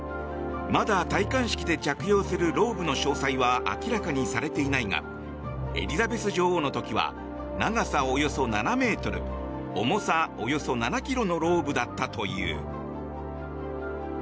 まだ戴冠式で着用するローブの詳細は明らかにされていないがエリザベス女王の時は長さおよそ７ｍ重さおよそ７ｋｇのローブだったという。